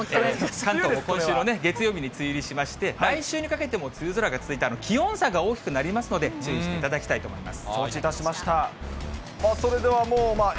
関東も今週の月曜日に梅雨入りしまして、来週にかけても梅雨空が続いて、気温差が大きくなりますので注意していただきたいと思います。